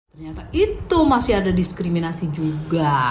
ternyata itu masih ada diskriminasi juga